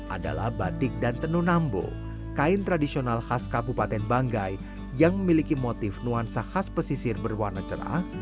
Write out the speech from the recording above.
adalah batik dan tenun nambo kain tradisional khas kabupaten banggai yang memiliki motif nuansa khas pesisir berwarna cerah